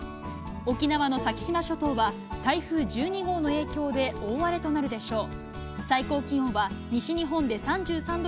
沖縄の先島諸島は、台風１２号の影響で大荒れとなるでしょう。